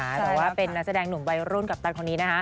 แหละว่าเป็นนักแสดงใหม่ลุ่มใบรุ่นกัปตัน